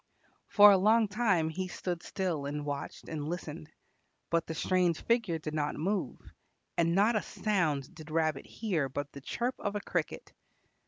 For a long time he stood still and watched and listened. But the strange figure did not move, and not a sound did Rabbit hear but the chirp of a cricket.